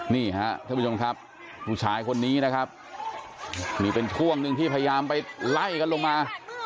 นี่ฮะท่านผู้ชมครับผู้ชายคนนี้นะครับนี่เป็นช่วงหนึ่งที่พยายามไปไล่กันลงมา